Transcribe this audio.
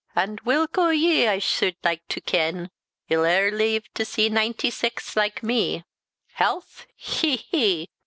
And whilk o' ye, I sude like to ken, 'II ere leive to see ninety sax, like me? Health! he, he